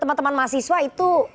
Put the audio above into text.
teman teman mahasiswa itu